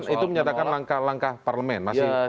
itu menyatakan langkah langkah parlemen masih